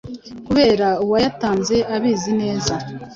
kubera uwayatanze abizi neza